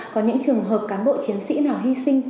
có những trường hợp cán bộ chiến sĩ nào hy sinh